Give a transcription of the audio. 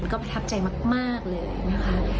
ก็ประทับใจมากเลยนะคะ